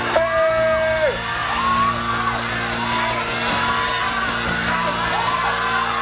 พี่